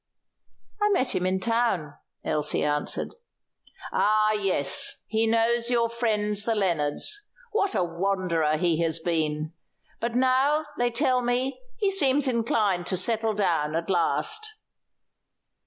"I met him in town," Elsie answered. "Ah, yes! he knows your friends the Lennards. What a wanderer he has been! But now, they tell me, he seems inclined to settle down at last."